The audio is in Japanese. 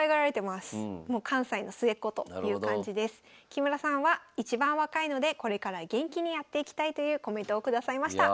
木村さんはいちばん若いのでこれから元気にやっていきたいというコメントを下さいました。